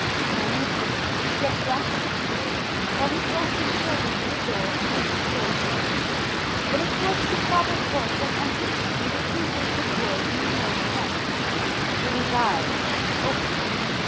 In an instant he had grasped his sword, while he pressed his shoulder to the door to keep it closed; but it was his father's voice that answered him with a few whispered words in the Norse tongue, "It is I, open."